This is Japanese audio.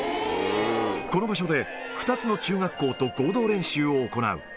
この場所で、２つの中学校と合同練習を行う。